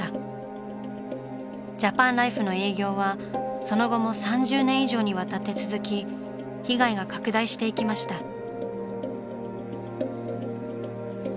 ジャパンライフの営業はその後も３０年以上にわたって続き被害が拡大していきました。